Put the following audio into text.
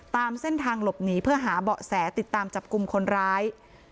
ตามเส้นทางหลบหนีเพื่อหาเบาะแสติดตามจับกลุ่มคนร้าย